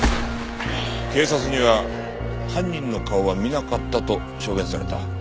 警察には犯人の顔は見なかったと証言された。